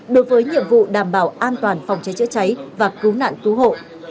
đối với nhiệm vụ đảm bảo an toàn phòng cháy chữa cháy và cứu nạn cứu hộ